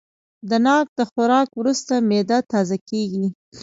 د ناک د خوراک وروسته معده تازه کېږي.